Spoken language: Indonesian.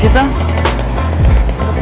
caranya kayak stri